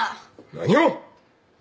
何を。